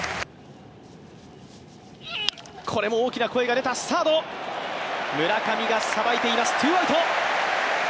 これも大きな声が出た、サード、村上がさばいています、ツーアウト。